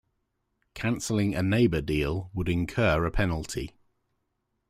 Canceling a neighbor deal would incur a penalty.